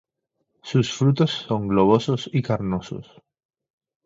Sus frutos son globosos y carnosos.